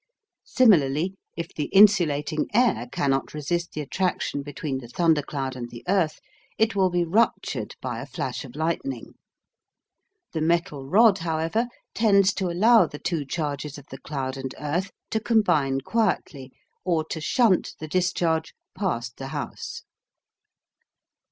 Similarly, if the insulating air cannot resist the attraction between the thundercloud and the earth, it will be ruptured by a flash of lightning. The metal rod, however, tends to allow the two charges of the cloud and earth to combine quietly or to shunt the discharge past the house.